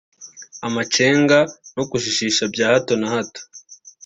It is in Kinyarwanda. Amacenga no kujijisha bya hato na hato